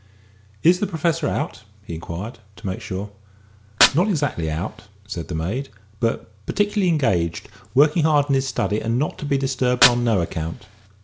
"Is the Professor out?" he inquired, to make sure. "Not exactly out, sir," said the maid, "but particularly engaged, working hard in his study, and not to be disturbed on no account."